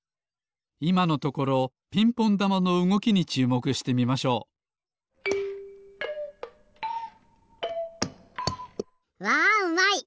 いまのところピンポンだまのうごきにちゅうもくしてみましょうわうまい！